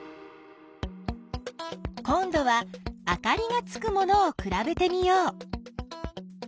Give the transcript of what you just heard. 今どはあかりがつくものをくらべてみよう。